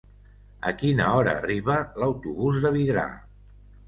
A quina hora arriba l'autobús de Vidrà?